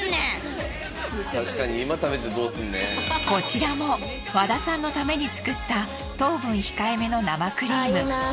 こちらも和田さんのために作った糖分控えめの生クリーム。